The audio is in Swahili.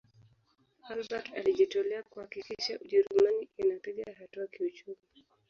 albert alijitolea kuhakikisha ujerumani inapiga hatua kiuchumi